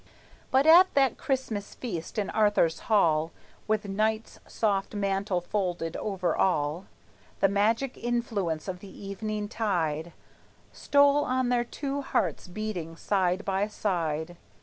But at that Christmas feast, in Arthur's hall, With night's soft mantle folded over all, The magic influence of the evening tide Stole on their two hearts beating side by side.